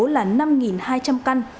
là năm hai trăm linh căn